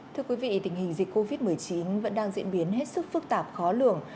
thưa quý vị tình hình dịch covid một mươi chín vẫn đang diễn biến hết sức phức tạp khó lường